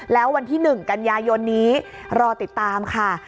แล้ววันที่๑กันยายนนี้รอติดตามค่ะ